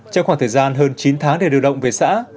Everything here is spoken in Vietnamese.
trong khoảng thời gian hơn chín tháng để điều động về xã